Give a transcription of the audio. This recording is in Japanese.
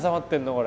これ。